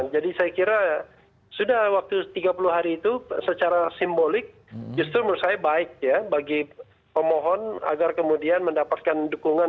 jadi saya kira sudah waktu tiga puluh hari itu secara simbolik justru menurut saya baik ya bagi pemohon agar kemudian mendapatkan dukungan